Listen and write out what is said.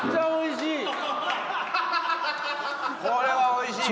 これはおいしいよ。